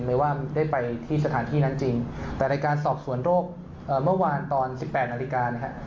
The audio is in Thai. ไม่ว่าได้ไปที่สถานที่นั้นจริงแต่ในการสอบสวนโรคเมื่อวานตอน๑๘นาฬิกานะครับ